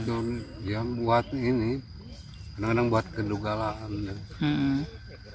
dia buat ini kadang kadang buat kedugaan